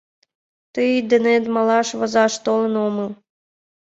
Тый денет малаш возаш толын омыл.